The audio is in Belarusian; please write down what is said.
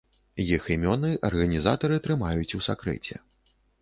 Іх імёны арганізатары трымаюць у сакрэце.